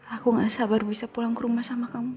aku gak sabar bisa pulang ke rumah sama kamu